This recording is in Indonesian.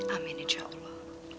amin insya allah